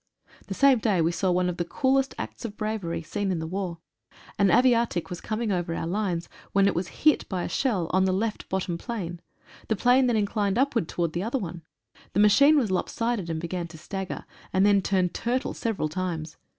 The same day we saw one of the coolest acts of bravery seen in the war. An aviatik was coming over our lines, when it was hit by a shell, on the left bottom plane. The plane then inclined upwards towards the other one. The machine was lop sided and began to stagger, and then turned turtle several times.